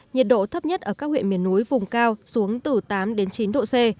nhiệt độ thấp nhất ở các huyện miền núi vùng cao xuống từ tám đến chín độ c